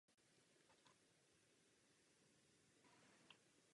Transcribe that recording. Naprosto s nimi souhlasím.